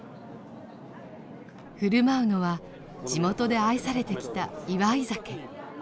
振る舞うのは地元で愛されてきた祝い酒。